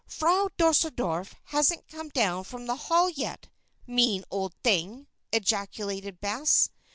"Frau Deuseldorf hasn't come down from the Hall yet mean old thing!" ejaculated Bess.